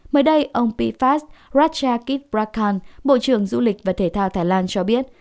mới đây ông p fast raja kiprakhan bộ trưởng du lịch và thể thao thái lan cho biết